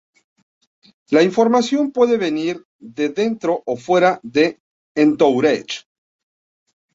La información puede venir de dentro o fuera de Entourage.